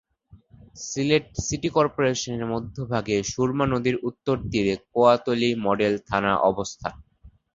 Sylhet city কর্পোরেশনের মধ্যভাগে সুরমা নদীর উত্তর তীরে কোতোয়ালী মডেল থানার অবস্থান।